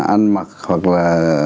ăn mặc hoặc là